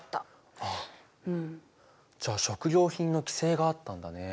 じゃあ食料品の規制があったんだね。